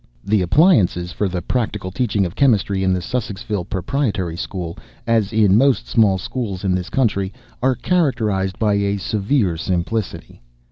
The appliances for the practical teaching of chemistry in the Sussexville Proprietary School, as in most small schools in this country, are characterised by a severe simplicity.